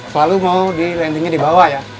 selalu mau di landingnya di bawah ya